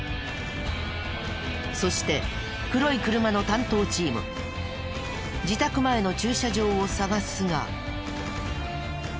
そして黒い車の担当チーム自宅前の駐車場を捜すが。